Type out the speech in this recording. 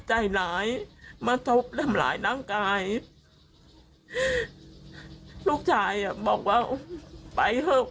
ใจหลายมาทบทำหลายน้ำกายลูกชายอะบอกว่าไปเถอะ